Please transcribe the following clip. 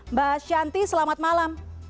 mbak shanti selamat malam